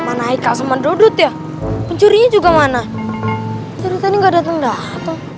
manaika sama dodot ya pencurinya juga mana dari tadi nggak dateng dateng